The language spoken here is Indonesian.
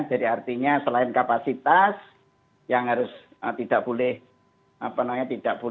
jadi artinya selain kapasitas yang harus tidak boleh penuh ya